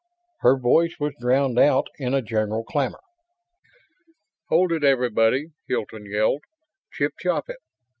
Her voice was drowned out in a general clamor. "Hold it, everybody!" Hilton yelled. "Chip chop it!